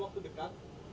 bapak sb dan pak prabo